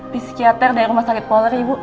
psikiater dari rumah sakit polri ibu